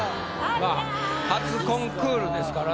初コンクールですからね。